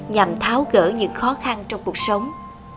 nhằm tháo gỡ những khó khăn trong cuộc sống